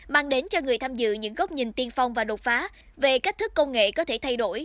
mang đến cho người tham dự những góc nhìn tiên phong và đột phá về cách thức công nghệ có thể thay đổi